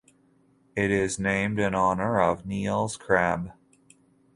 It is named in honor of Niels Krabbe.